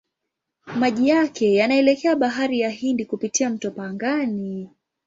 Maji yake yanaelekea Bahari ya Hindi kupitia mto Pangani.